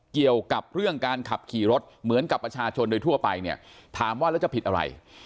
เกี่ยวกับเรื่องการขับขี่รถเหมือนกับประชาชนโดยทั่วไปเนี่ยถามว่าแล้วจะผิดอะไร